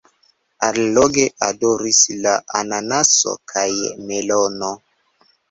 Alloge odoris la ananaso kaj melono.